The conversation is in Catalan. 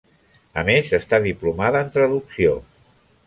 A més està diplomada en traducció.